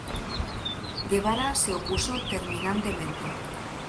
Guevara se opuso terminantemente.